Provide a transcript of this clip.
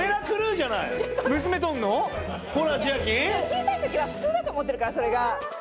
小さいときは普通だと思ってるからそれが。